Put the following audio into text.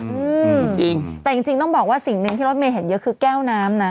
อืมจริงแต่จริงจริงต้องบอกว่าสิ่งหนึ่งที่รถเมย์เห็นเยอะคือแก้วน้ำนะ